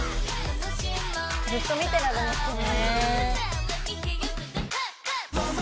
「ずっと見てられますね」